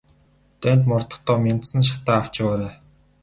Дайнд мордохдоо мяндсан шатаа авч яваарай.